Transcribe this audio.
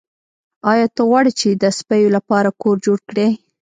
ایا ته غواړې چې د سپیو لپاره کور جوړ کړې